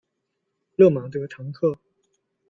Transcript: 勒马德唐克。